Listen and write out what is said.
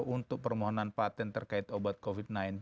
untuk permohonan patent terkait obat covid sembilan belas